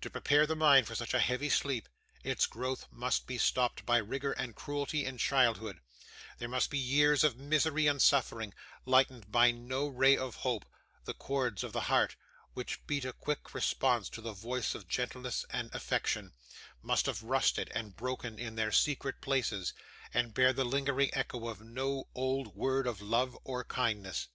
To prepare the mind for such a heavy sleep, its growth must be stopped by rigour and cruelty in childhood; there must be years of misery and suffering, lightened by no ray of hope; the chords of the heart, which beat a quick response to the voice of gentleness and affection, must have rusted and broken in their secret places, and bear the lingering echo of no old word of love or kindness.